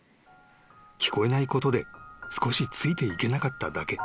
［聞こえないことで少しついていけなかっただけ］